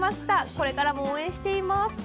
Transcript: これからも応援しています。